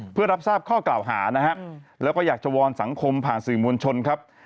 เพื่อรับทราบข้อกล่าวหานะครับแล้วก็อยากจะวอนสังคมผ่านสื่อมวลชนครับ